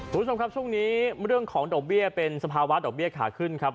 คุณผู้ชมครับช่วงนี้เรื่องของดอกเบี้ยเป็นสภาวะดอกเบี้ยขาขึ้นครับ